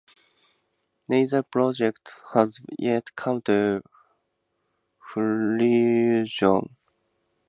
Neither project has yet come to fruition.